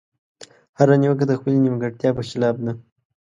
هره نيوکه د خپلې نيمګړتيا په خلاف ده.